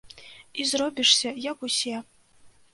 І зробішся як усе.